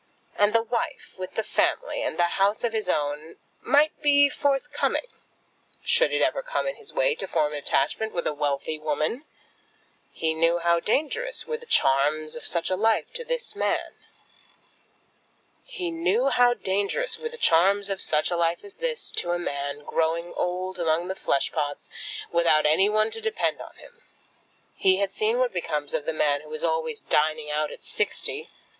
And the wife, with the family and house of his own, might be forthcoming, should it ever come in his way to form an attachment with a wealthy woman. He knew how dangerous were the charms of such a life as this to a man growing old among the flesh pots, without any one to depend upon him. He had seen what becomes of the man who is always dining out at sixty.